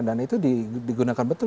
dan itu digunakan betul